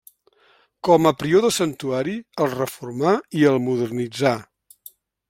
Com a prior del santuari, el reformà i el modernitzà.